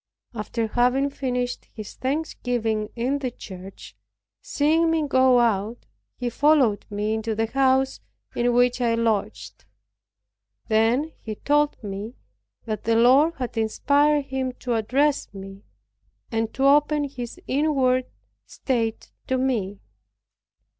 After having finished his thanksgiving in the church, seeing me go out, he followed me into the house in which I lodged. Then he told me that the Lord had inspired him to address me, and to open his inward state to me.